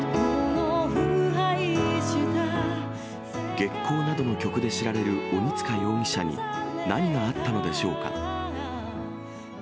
月光などの曲で知られる鬼束容疑者に、何があったのでしょうか。